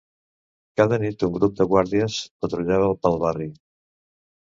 Cada nit un grup de guàrdies patrullava pel barri.